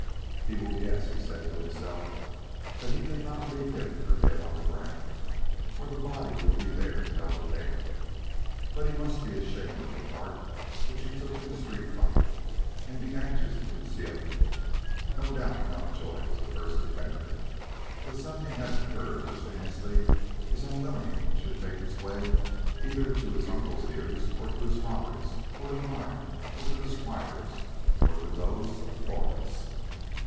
"He will guess," he had said to himself, "that he did not leave him for dead on the ground, or the body would be there to tell the tale. But he must be ashamed of the part which he took in the street fight, and be anxious to conceal it. No doubt Mountjoy was the first offender, but something had occurred which Annesley is unwilling should make its way either to his uncle's ears, or to his father's, or to mine, or to the squire's, or to those of Florence."